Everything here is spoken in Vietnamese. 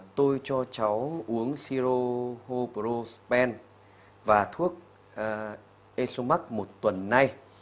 tôi cho cháu uống sirohobrospen và thuốc esomac một tuần nay